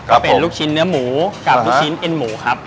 ก็เป็นลูกชิ้นเนื้อหมูกับลูกชิ้นเอ็นหมูครับ